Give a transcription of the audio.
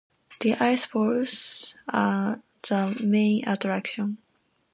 The ice balls are the main attraction.